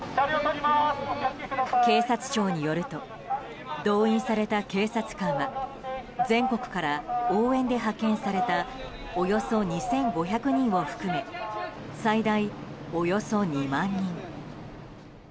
警察庁によると動員された警察官は全国から応援で派遣されたおよそ２５００人を含め最大およそ２万人。